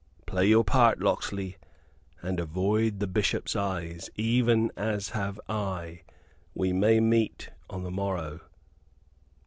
"Play your part, Locksley, and avoid the Bishop's eyes even as have I. We may meet on the morrow."